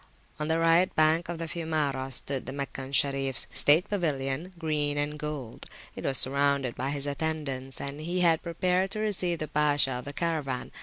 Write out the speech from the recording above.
On the right bank of the Fiumara stood the Meccan Sharifs state pavilion, green and gold: it was surrounded by his attendants, and he had prepared to receive the Pasha of the Caravan.